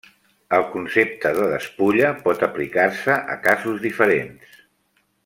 El concepte de despulla pot aplicar-se a casos diferents.